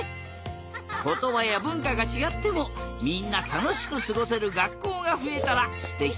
ことばやぶんかがちがってもみんなたのしくすごせるがっこうがふえたらすてきだな！